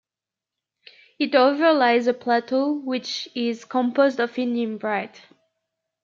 It overlies a plateau which is composed of ignimbrite.